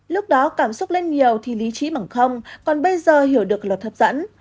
lúc đó cảm xúc lên nhiều thì lý trí bằng không còn bây giờ hiểu được là thấp dẫn